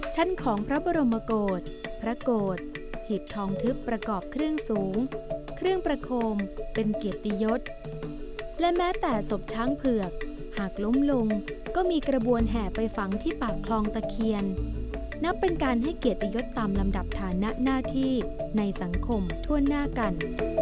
ชั้นของพระบรมโกรธพระโกรธหีบทองทึบประกอบเครื่องสูงเครื่องประโคมเป็นเกียรติยศและแม้แต่ศพช้างเผือกหากล้มลงก็มีกระบวนแห่ไปฝังที่ปากคลองตะเคียนนับเป็นการให้เกียรติยศตามลำดับฐานะหน้าที่ในสังคมทั่วหน้ากัน